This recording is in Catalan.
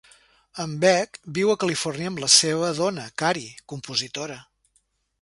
En Beck viu a Califòrnia amb la seva dona Cari, compositora.